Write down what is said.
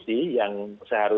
emang benar sebenarnya